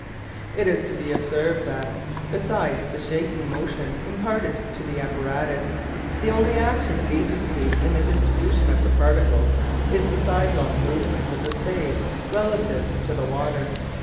It is to be observed that, besides the shaking motion imparted to the apparatus, the only active agency in the distribution of the particles is the sidelong movement of the spade relatively to the water.